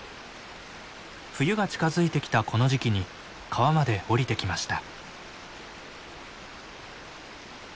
冬が近づいてきたこの時期に川まで下りてきました。